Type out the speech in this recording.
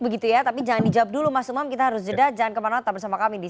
begitu ya tapi jangan dijawab dulu mas umam kita harus jeda jangan kemana mana bersama kami di